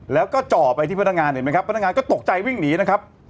แล้วก็จ่อไปที่พนักงานเห็นไหมครับพนักงานก็ตกใจวิ่งหนีนะครับ